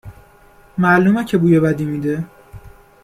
معلومه که بوی بدی میده